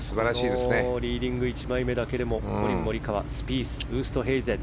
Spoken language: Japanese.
このリーディング１枚だけでもスピース、ウーストヘイゼン。